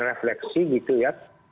refleksi gitu ya